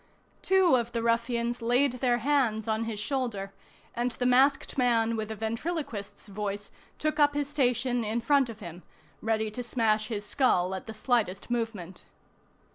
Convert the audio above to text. Two of the ruffians laid their hands on his shoulder, and the masked man with the ventriloquist's voice took up his station in front of him, ready to smash his skull at the slightest movement.